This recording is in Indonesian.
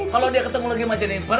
kalau dia ketemu lagi sama jennifer